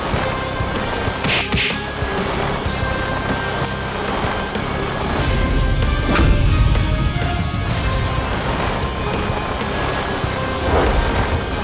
voice join psyche menekan yang